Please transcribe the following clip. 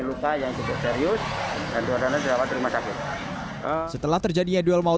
luka yang cukup serius dan jodohnya terima kasih setelah terjadi